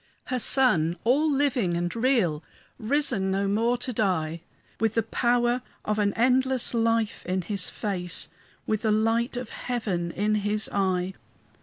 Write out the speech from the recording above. Her Son, all living and real, Risen no more to die, With the power of an endless life in his face, With the light of heaven in his eye.